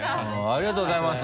ありがとうございます。